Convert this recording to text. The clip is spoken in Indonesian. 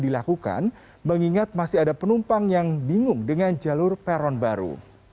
ini juga perlu dilakukan mengingat masih ada penumpang yang bingung dengan jalur peron baru